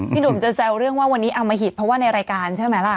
หนุ่มจะแซวเรื่องว่าวันนี้อมหิตเพราะว่าในรายการใช่ไหมล่ะ